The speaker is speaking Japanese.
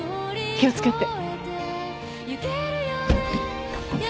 気をつけて。